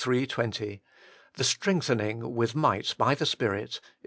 20), the strengthening with might by the Spirit (Eph.